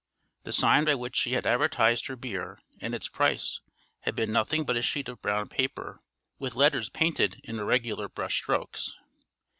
The sign by which she had advertised her beer and its price had been nothing but a sheet of brown paper with letters painted in irregular brush strokes.